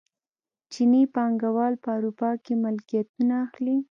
چیني پانګوال په اروپا کې ملکیتونه اخلي.